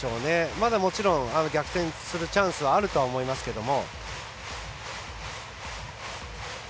まだ、もちろん逆転するチャンスはあるとは思いますけれども。